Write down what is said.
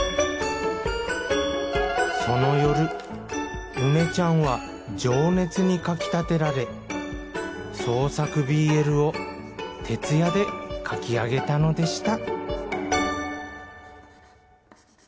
その夜梅ちゃんは情熱にかきたてられ創作ＢＬを徹夜で描き上げたのでした